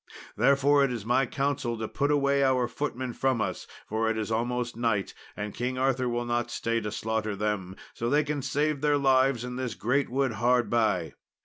Therefore it is my counsel to put away our footmen from us, for it is almost night, and King Arthur will not stay to slaughter them. So they can save their lives in this great wood hard by.